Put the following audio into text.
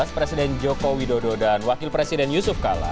presiden joko widodo dan wakil presiden yusuf kala